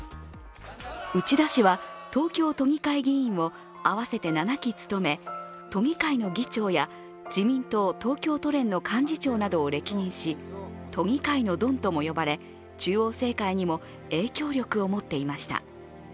内田氏は東京都議会議員を合わせて７期務め、都議会の議長や自民党東京都連の幹事長などを歴任し都議会のドンとも呼ばれ中央政界にも影響力を持っていました。